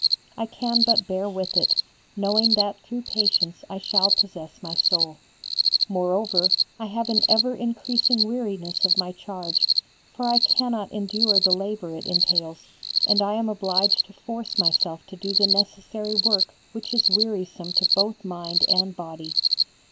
I can but bear with it, knowing that through patience I shall possess my soul. Moreover, I have an ever increasing weariness of my charge, for I cannot endure the labour it entails, and I am obliged to force myself to do the necessary work which is wearisome to both mind and body.